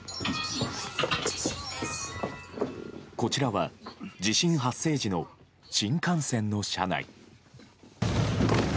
こちらは、地震発生時の新幹線の車内。